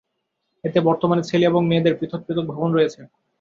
এতে বর্তমানে ছেলে এবং মেয়েদের পৃথক পৃথক ভবন রয়েছে।